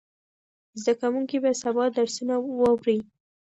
زده کوونکي به سبا درسونه واوري.